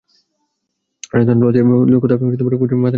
রাজস্থান রয়্যালসের কর্তা রাজ কুন্দ্রাও মাথা পেতে নিয়েছেন একই ধরনের শাস্তি।